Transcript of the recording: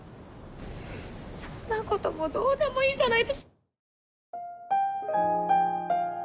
そんなこともうどうでもいいじゃない。